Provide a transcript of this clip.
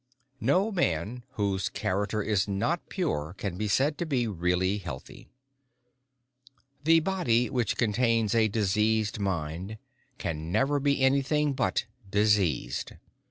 No man whose character is not pure can be said to be really healthy. The body which contains a diseased mind can never be anything but diseased.